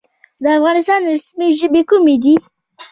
د افغانستان رسمي ژبې کومې دي؟